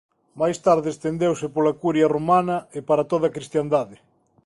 Máis tarde estendeuse pola curia romana e para toda a cristiandade.